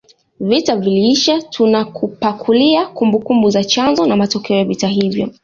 Vita viliisha tunakupakulia kumbukumbu za chanzo na matokeo ya vita hivyo